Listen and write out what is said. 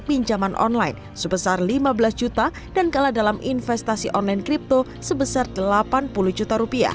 pinjaman online sebesar lima belas juta dan kalah dalam investasi online crypto sebesar delapan puluh juta rupiah